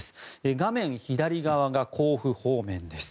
画面左側が甲府方面です。